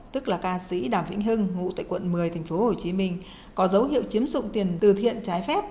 tức là ca sĩ đàm vĩnh hưng ngụ tại quận một mươi tp hcm có dấu hiệu chiếm dụng tiền từ thiện trái phép